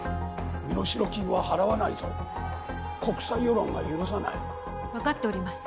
身代金は払わないぞ国際世論が許さない分かっております